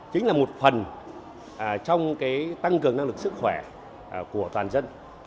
chính là một phần trong tăng cường năng lực sức khỏe của toàn dân